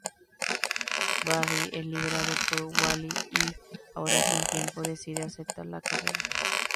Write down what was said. Barry es liberado por Wally y, ahora sin tiempo, decide aceptar la carrera.